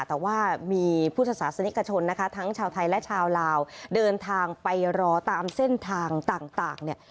แต่ว่ามีพุทธศาสนิกชนนะคะทั้งชาวไทยและชาวลาวเดินทางไปรอตามเส้นทางต่างเนี่ย